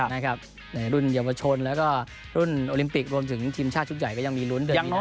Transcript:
ในรุ่นเยาวชนแล้วก็รุ่นโอลิมปิกรวมถึงทีมชาติชุดใหญ่ก็ยังมีลุ้น